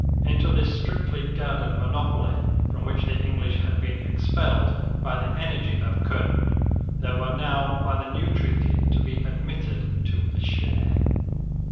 Into this strictly guarded monopoly, from which the English had been expelled by the energy of Koen, they were now by the new treaty to be admitted to a share.